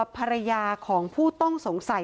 ภรรยาของผู้ต้องสงสัย